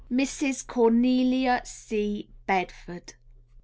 _Mrs. Cornelia C. Bedford.